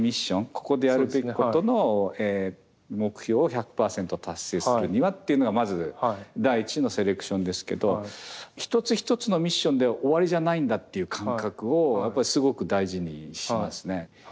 ここでやるべきことの目標を１００％達成するにはっていうのがまず第１のセレクションですけど１つ１つのミッションで終わりじゃないんだっていう感覚をすごく大事にしますね。